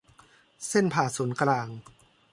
เส้นผ่าศูนย์กลาง